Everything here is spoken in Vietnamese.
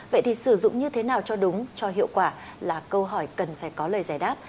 vậy thì sử dụng như thế nào cho đúng cho hiệu quả là câu hỏi cần phải có lời giải đáp